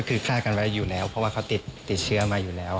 คือฆ่ากันไว้อยู่แล้วเพราะว่าเขาติดเชื้อมาอยู่แล้ว